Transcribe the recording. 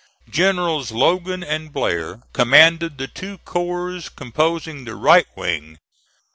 Generals Logan and Blair commanded the two corps composing the right wing.